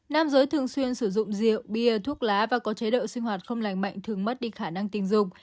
nam giới thường xuyên sử dụng rượu bia thuốc lá và có chế độ sinh hoạt không lành mạnh thường mất đi khả năng tình dục